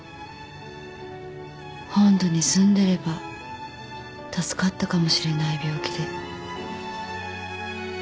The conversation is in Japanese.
本土に住んでれば助かったかもしれない病気で。